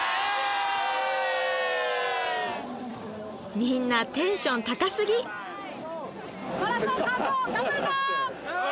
みんなテンション高すぎオー！